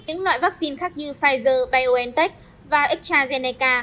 những loại vaccine khác như pfizer biontech và astrazeneca